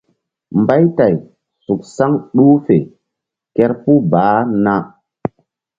Mbaytay suk saŋ ɗuh fe kerpuh baah na.